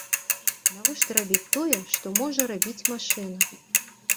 Навошта рабіць тое, што можа рабіць машына?